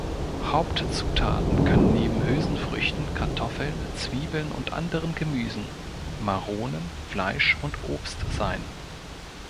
Hauptzutaten können neben Hülsenfrüchten, Kartoffeln, Zwiebeln und anderen Gemüsen, Maronen, Fleisch und Obst sein.